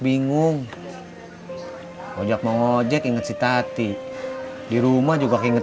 itu plat mobilnya abe